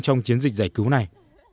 trong chiến dịch giải cứu này